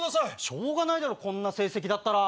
しょうがないだろこんな成績だったら。